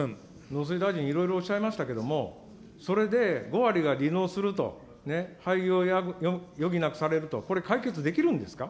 農水大臣、いろいろおっしゃいましたけど、それで５割が離農すると、廃業を余儀なくされると、これ、解決できるんですか。